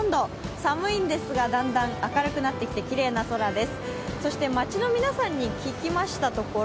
寒いんですが、だんだん明るくなってきてきれいな空です。